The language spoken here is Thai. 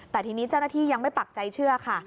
แต่ทีนี้เจ้าหน้าที่ยังไม่ปักใจเชื่อค่ะ